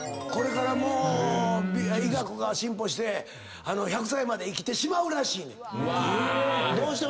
これからもう医学が進歩して１００歳まで生きてしまうらしいねん。